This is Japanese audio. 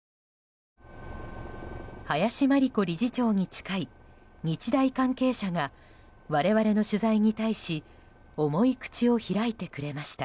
林真理子理事長に近い日大関係者が我々の取材に対し重い口を開いてくれました。